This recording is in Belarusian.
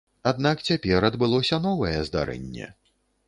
Аднак цяпер адбылося новае здарэнне.